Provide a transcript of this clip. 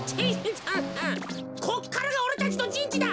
こっからがおれたちのじんちだ。